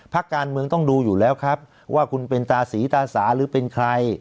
พักการเมืองต้องดูอยู่แล้วครับว่าคุณเป็นตาสีตาสาหรือเป็นใคร